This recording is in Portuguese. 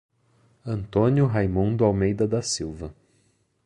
Antônio Raimundo Almeida da Silva